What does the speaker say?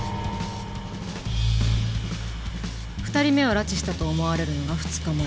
２人目を拉致したと思われるのが２日前。